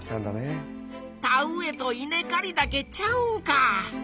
田植えと稲かりだけちゃうんか。